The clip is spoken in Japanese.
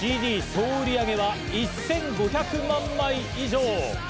総売り上げは１５００万枚以上。